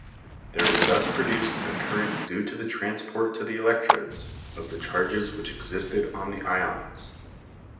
There is thus produced a current due to the transport to the electrodes of the charges which existed on the ions.